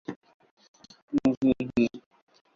স্কটল্যান্ডে, কালো বিড়ালদের সৌভাগ্যের প্রতিক হিসেবে ধরা হয়।